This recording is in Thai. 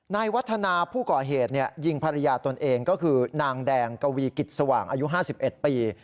วัฒนาผู้ก่อเหตุยิงภรรยาตนเองก็คือนางแดงกวีกิจสว่างอายุ๕๑ปี